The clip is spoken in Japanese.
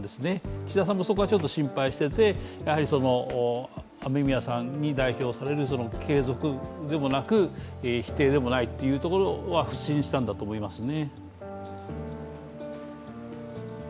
岸田さんもそこは心配していて、雨宮さんに代表させる継続でもなく、否定でもないというところは腐心したんだと思いますね。